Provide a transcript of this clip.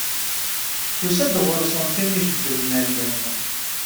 Tusa-d ɣur-sen tin ijebbden allen.